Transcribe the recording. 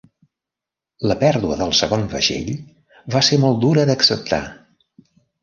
La pèrdua del segon vaixell va ser molt dura d'acceptar.